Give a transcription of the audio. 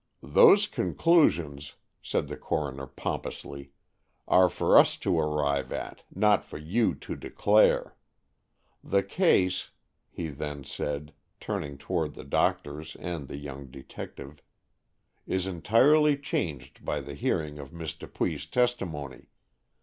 "Those conclusions," said the coroner pompously, "are for us to arrive at, not for you to declare. The case," he then said, turning toward the doctors and the young detective, "is entirely changed by the hearing of Miss Dupuy's testimony.